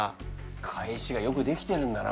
返しがよく出来てるんだな